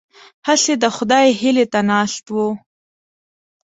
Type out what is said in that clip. هسې د خدای هیلې ته ناست وو.